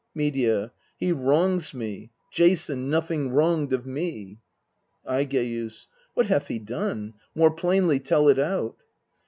Medea. He wrongs me Jason, nothing wronged of me. Aigeus. What hath he done? More plainly tell it out.